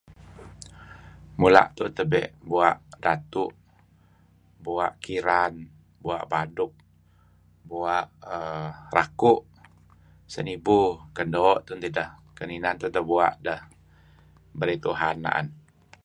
Mula' tun tehbe' bua' datu', bua' kiran. bua' baduk, bua' err raku' senibu, ken doo' tun tidah, kan inan tun teh bua' deh berey Tuhan na'en?